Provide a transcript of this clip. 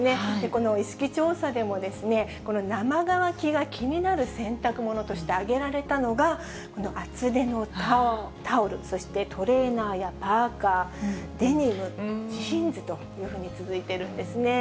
この意識調査でも、この生乾きが気になる洗濯物として挙げられたのが、厚手のタオル、そしてトレーナーやパーカー、デニム、ジーンズというふうに続いているんですね。